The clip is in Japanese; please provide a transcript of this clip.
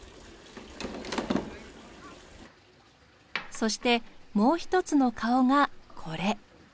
そしてもう一つの顔がこれ。